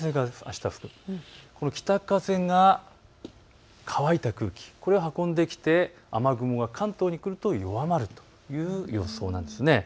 この北風が乾いた空気を運んできて雨雲が関東に来ると弱まるという予想なんです。